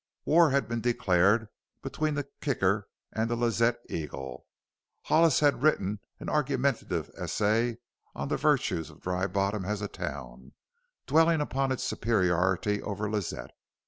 War had been declared between the Kicker and the Lazette Eagle. Hollis had written an argumentative essay on the virtues of Dry Bottom as a town, dwelling upon its superiority over Lazette.